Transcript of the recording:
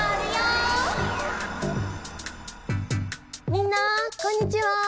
みんなこんにちは。